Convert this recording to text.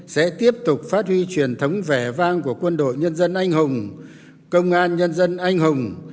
sẽ tiếp tục phát huy truyền thống vẻ vang của quân đội nhân dân anh hùng công an nhân dân anh hùng